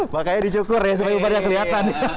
makanya dicukur ya supaya bukannya kelihatan